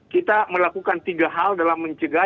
kita melakukan tiga hal dalam mencegah